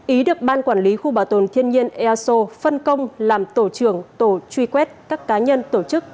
ý được ban quản lý khu bảo tồn thiên nhiên eso phân công làm tổ trưởng tổ truy quét các cá nhân tổ chức